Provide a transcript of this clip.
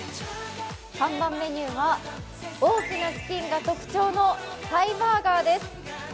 看板メニューは大きなチキンが特徴のサイバーガーです。